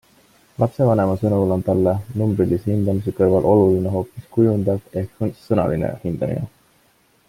Lapsevanema sõnul on talle numbrilise hindamise kõrval oluline hoopis kujundav ehk sõnaline hindamine.